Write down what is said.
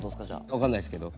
分かんないっすけど。